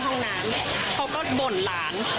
ห้องน้ำเขาก็บ่นหลาน